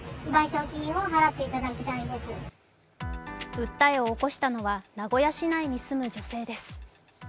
訴えを起こしたのは名古屋市内に住む女性です。